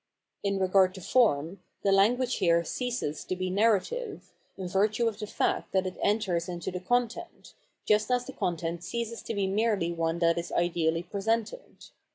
In regard to form, the lan guage here ceases to be narrative, in virtue of the fact that it enters into the content, just as the content ceases to be merely one that is ideally presented.